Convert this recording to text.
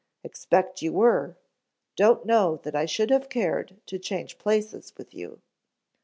"Expect you were. Don't know that I should have cared to change places with you."